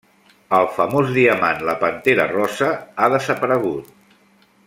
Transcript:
El famós diamant la Pantera rosa ha desaparegut.